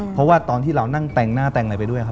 เพราะว่าตอนที่เรานั่งแต่งหน้าแต่งอะไรไปด้วยครับ